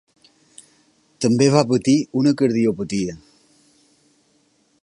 També va patir una cardiopatia.